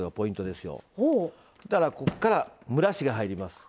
そうしたらここから、蒸らしが入ります。